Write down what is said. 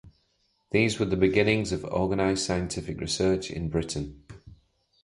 These were the beginnings of organised scientific research in Britain.